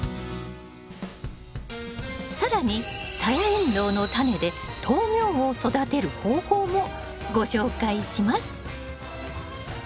更にサヤエンドウのタネで豆苗を育てる方法もご紹介します。